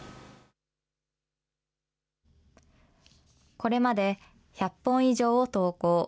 これまで１００本以上を投稿。